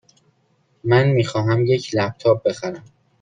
من می خواهم یک لپ تاپ بخرم.